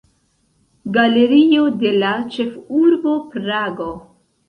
Galerio de la Ĉefurbo Prago.